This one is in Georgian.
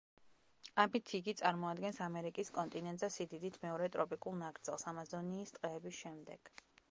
ამით იგი წარმოადგენს ამერიკის კონტინენტზე სიდიდით მეორე ტროპიკულ ნაკრძალს ამაზონიის ტყეების შემდეგ.